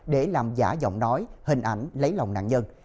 để làm giả giọng nói hình ảnh lấy lòng nạn nhân